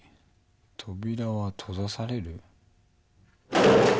扉は閉ざされる？